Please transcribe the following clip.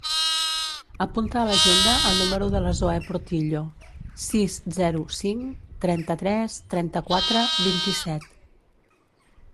Apunta a l'agenda el número de la Zoè Portillo: sis, zero, cinc, trenta-tres, trenta-quatre, vint-i-set.